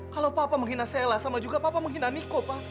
kalau bapak menghina stella sama juga bapak menghina niko pak